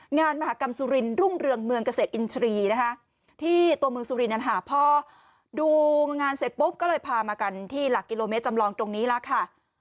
งานมหากรรมสุรินรุ่งเรืองเมืองเกษตรอินทรีย์นะคะที่ตัวเมืองสุรินหาพ่อดูงานเสร็จปุ๊บก็เลยพามากันที่หลักกิโลเมตรจำลองตรงนี้แล้วค่ะ